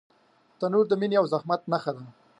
تنور د مینې او زحمت نښه ده